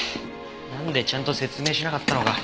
なんでちゃんと説明しなかったのか。